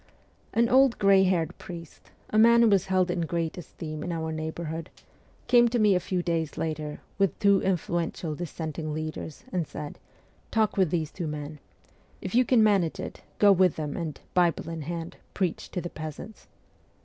An old grey haired priest, a man who was held in great esteem in our neighbourhood, came to me a few days later, with two influential dissenting leaders, and said :' Talk with these two men. If you can manage it, go with them and, Bible in hand, preach to the peasants.